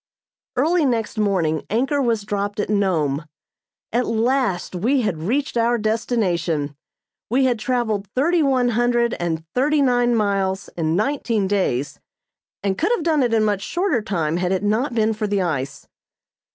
Early next morning anchor was dropped at Nome. At last we had reached our destination. We had traveled thirty one hundred and thirty nine miles in nineteen days and could have done it in much shorter time had it not been for the ice.